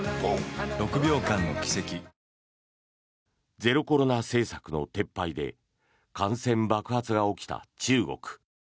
ゼロコロナ政策の撤廃で感染爆発が起きた中国。